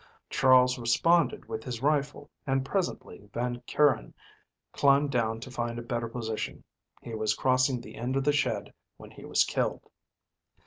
Charles responded with his rifle, and presently Van Kuren climbed down to find a better position. He was crossing the end of the shed when he was killed.